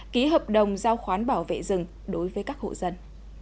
ký hợp đồng giao khoán bảo vệ rừng đối với các hộ dân